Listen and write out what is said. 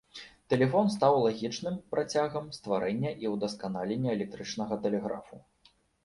Тэлефон стаў лагічным працягам стварэння і ўдасканалення электрычнага тэлеграфу.